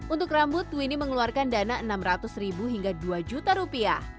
untuk rambut winnie mengeluarkan dana rp enam ratus ribu hingga dua juta rupiah